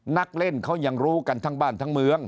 นักเล่นเขายังรู้กันทั้งบ้านทั้งเมือง